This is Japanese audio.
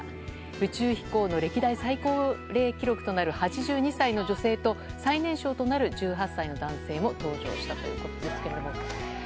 宇宙飛行の歴代最高齢女性となる８２歳の女性と最年少となる１８歳の男性も搭乗したということです。